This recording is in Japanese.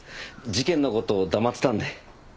事件の事を黙ってたんで。